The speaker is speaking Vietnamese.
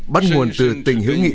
bắt nguồn từ tình hữu nghị